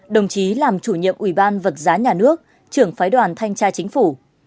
đồng chí làm chủ nhiệm ủy ban vật giá nhà nước trưởng phái đoàn thanh tra chính phủ